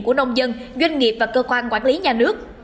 của nông dân doanh nghiệp và cơ quan quản lý nhà nước